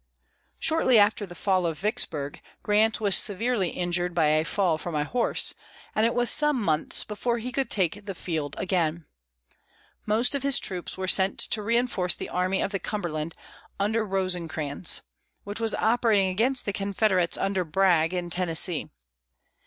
Shortly after the fall of Vicksburg, Grant was severely injured by a fall from a horse, and it was some months before he could take the field again. Most of his troops were sent to reinforce the Army of the Cumberland, under Rosecrans, which was operating against the Confederates under Bragg, in Tennessee.